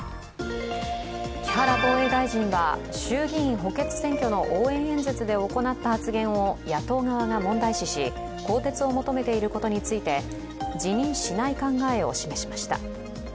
木原防衛大臣は衆議院補欠選挙の応援演説で行った発言を野党側が問題視し、更迭を求めていることについて、辞任しない考えを示しました。